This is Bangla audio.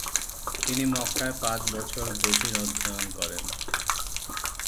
তিনি মক্কায় পাঁচ বছর গভীর অধ্যয়ন করেন।